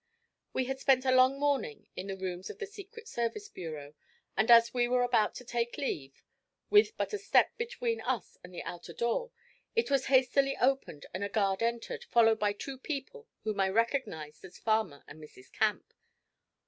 We had spent a long morning in the rooms of the Secret Service Bureau, and as we were about to take leave, with but a step between us and the outer door, it was hastily opened and a guard entered, followed by two people whom I recognised as Farmer and Mrs. Camp.